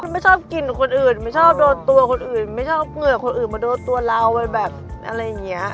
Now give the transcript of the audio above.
ไม่ชอบกินกับคนอื่นไม่ชอบโดนตัวคนอื่นไม่ชอบเหงื่อคนอื่นมาโดนตัวเรามันแบบอะไรอย่างนี้